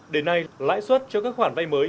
đến nay lãi suất cho các khoản vay mới